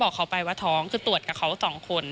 อ่าเดี๋ยวฟองดูนะครับไม่เคยพูดนะครับ